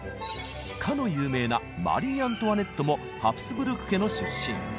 かの有名なマリー・アントワネットもハプスブルク家の出身。